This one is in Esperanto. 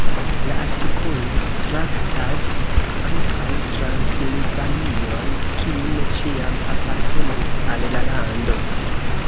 La artikolo traktas ankaŭ Transilvanion, kiu ne ĉiam apartenis al la lando.